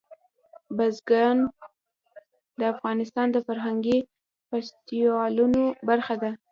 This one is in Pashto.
بزګان د افغانستان د فرهنګي فستیوالونو برخه ده.